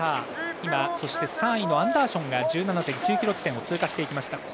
３位のアンダーションが１７．９ｋｍ地点を通過しました。